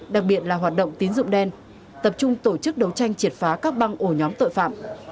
đặc biệt là hoạt động tín dụng đen tập trung tổ chức đấu tranh triệt phá các băng ổ nhóm tội phạm